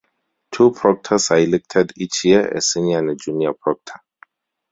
Two Proctors are elected each year: a Senior and a Junior Proctor.